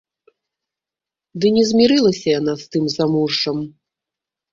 Ды не змірылася яна з тым замужжам.